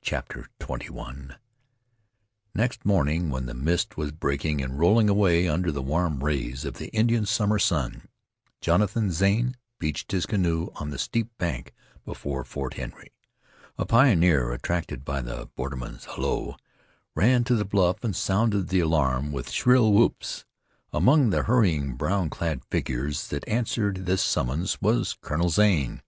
CHAPTER XXI Next morning, when the mist was breaking and rolling away under the warm rays of the Indian summer sun, Jonathan Zane beached his canoe on the steep bank before Fort Henry. A pioneer, attracted by the borderman's halloo, ran to the bluff and sounded the alarm with shrill whoops. Among the hurrying, brown clad figures that answered this summons, was Colonel Zane.